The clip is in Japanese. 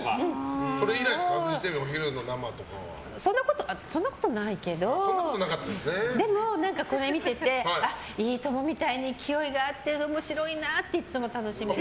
それ以来ですかそんなことないけどでも、これ見てて「いいとも！」みたいに勢いがあって面白いなっていつも楽しみに。